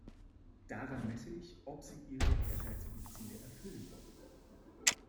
Daran messe ich, ob Sie Ihre ehrgeizigen Ziele erfüllen wollen.